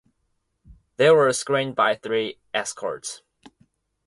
They were screened by three escorts.